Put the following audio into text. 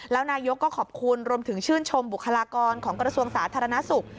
แล้วนายกก็ขอบคุณรวมถึงชื่นชมบุคลากรของกระทรวงสาธารณสุข